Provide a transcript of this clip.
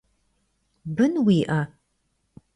Бын уиӏэ?